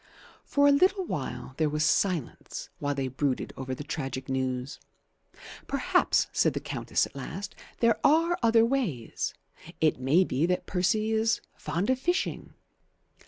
For a little while there was silence while they brooded over the tragic news. "Perhaps," said the Countess at last, "there are other ways. It may be that Percy is fond of fishing."